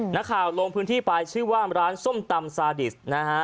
ลงพื้นที่ไปชื่อว่าร้านส้มตำซาดิสนะฮะ